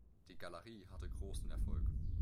Die Galerie hatte großen Erfolg.